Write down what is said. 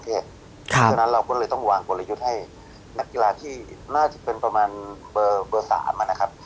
เพราะฉะนั้นเราก็เลยต้องวางกลยุทธ์ให้นักกีฬาที่น่าจะเป็นประมาณเบอร์๓นะครับ